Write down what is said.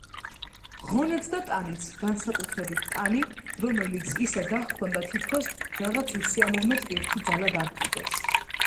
ღონეც და ტანიც, განსაკუთრებით ტანი, რომელიც ისე დაჰქონდა, თოთქოს რაღაც უსიამო ტვირთი ძალად აჰკიდეს